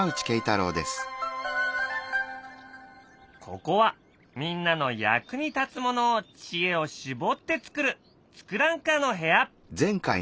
ここはみんなの役に立つものを知恵を絞って作る「ツクランカー」の部屋。